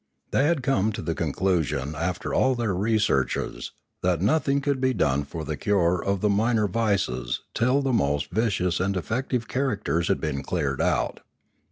They had come to the conclusion after all their researches that nothing could be done for the cure of the minor vices till the most vicious and defective characters had been cleared out.